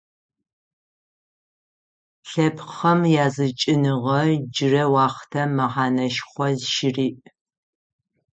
Лъэпкъхэм языкӏыныгъэ джырэ уахътэм мэхьанэшхо щыриӏ.